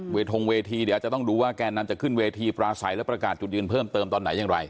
ทงเวทีเดี๋ยวจะต้องดูว่าแกนนำจะขึ้นเวทีปราศัยและประกาศจุดยืนเพิ่มเติมตอนไหนอย่างไร